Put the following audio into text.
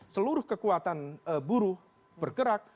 seluruh kekuatan buruh bergerak